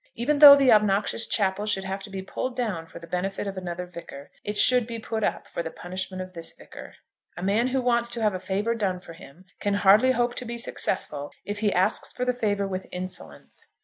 Even though the obnoxious chapel should have to be pulled down for the benefit of another vicar, it should be put up for the punishment of this vicar. A man who wants to have a favour done for him, can hardly hope to be successful if he asks for the favour with insolence.